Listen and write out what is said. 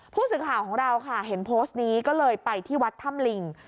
ผู้สื่อข่าวของเราค่ะเห็นโพสต์นี้ก็เลยไปที่วัดถ้ำลิง